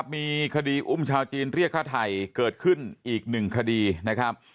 มีคดีอุ้มชาวจีนเรียกฆ่าไทยเกิดขึ้นอีกหนึ่งคดีนะครับ